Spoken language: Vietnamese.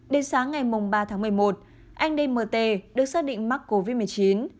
đến sáng ngày ba tháng một mươi một anh dmt được xác định mắc covid một mươi chín